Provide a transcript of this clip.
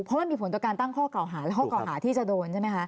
เพราะมันมีผลต่อการตั้งข้อเก่าหาและข้อเก่าหาที่จะโดนใช่ไหมคะ